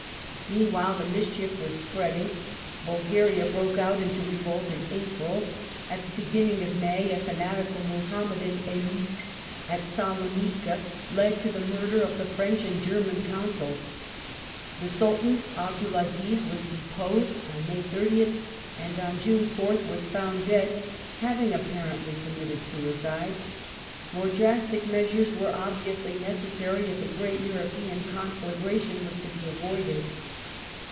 Meanwhile, the mischief was spreading. Bulgaria broke out into revolt in April ; at the beginning of May a fanatical Muhammadan emeute at Salonica led to the murder of the French and German Consuls ; the Sultan Abdul Aziz was deposed on May 30th, and on June 4th was found dead, "having apparently committed suicide". More drastic measures were obviously necessary if a great European con flagration was to be avoided.